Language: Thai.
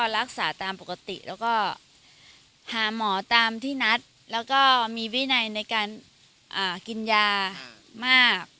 หาหมอตามที่นัดแล้วก็มีวินัยในการกินยามาก